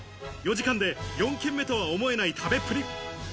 ４時間で４軒目とは思えない食べっぷり。